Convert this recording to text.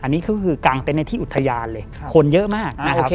อันนี้ก็คือการเต็นท์ในที่อุทยานเลยครับคนเยอะมากอ่าโอเค